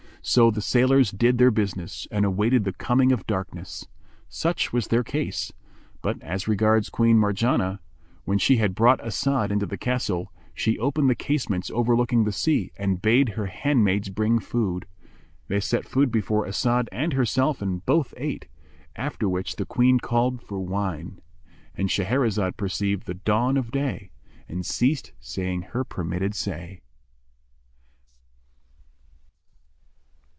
So the sailors did their business and awaited the coming of darkness. Such was their case; but as regards Queen Marjanah, when she had brought As'ad into the castle, she opened the casements overlooking the sea and bade her handmaids bring food. They set food before As'ad and herself and both ate, after which the Queen called for wine.—And Shahrazad perceived the dawn of day and ceased saying her permitted say.